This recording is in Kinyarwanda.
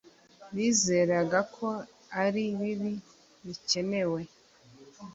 Bizeraga ko ari bibi bikenewe.